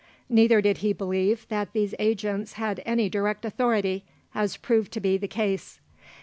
Neither did he believe that these agents had any direct authority, as proved to be the case.